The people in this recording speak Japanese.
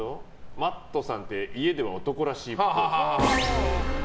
Ｍａｔｔさんって家では男らしいっぽい。